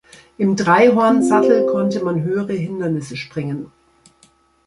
Im Drei-Horn-Sattel konnte man höhere Hindernisse springen.